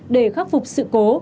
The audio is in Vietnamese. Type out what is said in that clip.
để khắc phục sự cố